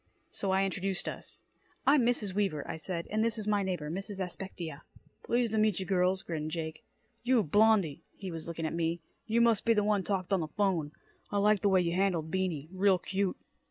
So I introduced us. "I'm Mrs. Weaver," I said. "And this is my neighbor, Mrs. Aspectia." "Pleased ta meetcha, girls," grinned Jake. "You, Blondie," he was looking at me, "you must be the one talked on the 'phone. I liked the way you handled Beany. Real cute."